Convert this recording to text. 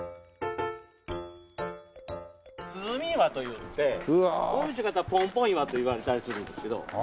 鼓岩といって尾道の方は「ポンポン岩」と言われたりするんですけど。